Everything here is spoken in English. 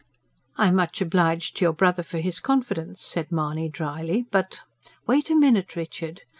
"I'm much obliged to your brother for his confidence," said Mahony dryly; "but " "Wait a minute, Richard!